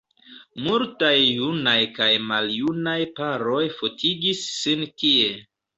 Multaj junaj kaj maljunaj paroj fotigis sin tie.